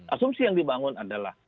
asumsi yang dibangun adalah